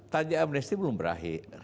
tajik amnesty belum berakhir